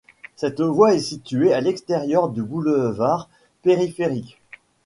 Cette voie est située à l’extérieur du boulevard périphérique.